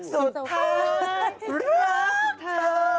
สุดท้ายรักเธอ